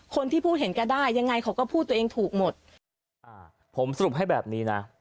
คนที่พูดเห็นก็ได้ยังไงเขาก็พูดตัวเองถูกหมดผมสรุปให้แบบนี้น่ะ